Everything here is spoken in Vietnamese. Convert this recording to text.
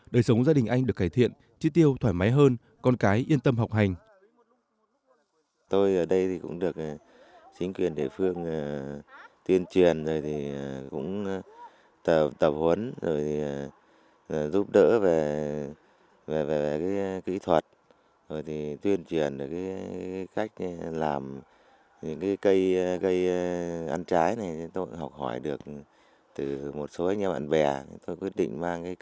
đời sống gia đình anh được cải thiện chi tiêu thoải mái hơn con cái yên tâm học hành